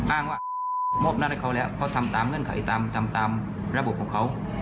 อ้างให้อ่านเขาแล้วก็ทำตามเงินขายตามประโยชน์ของเขา